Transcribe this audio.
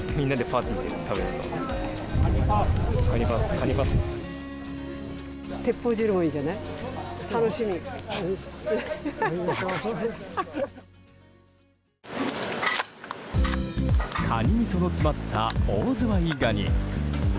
カニみその詰まったオオズワイガニ。